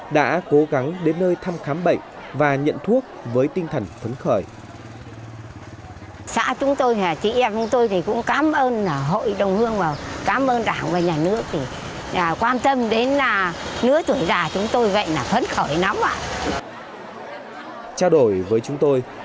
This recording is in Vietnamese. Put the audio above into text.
đã cố gắng đến nơi thăm khám bệnh và nhận thuốc với tinh thần phấn khởi